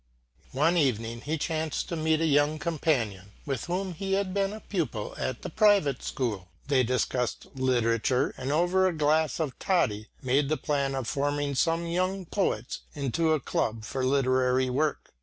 One evening he chanced to meet a young companion with whom he had been a pupil at the private school. They discussed literature, and over a glass of toddy made the plan of forming some young poets into a club for literary work.